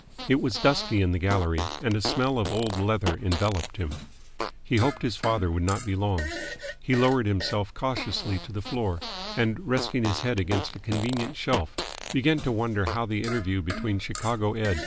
It was dusty in the gallery, and a smell of old leather enveloped him. He hoped his father would not be long. He lowered himself cautiously to the floor, and, resting his head against a convenient shelf, began to wonder how the interview between Chicago Ed.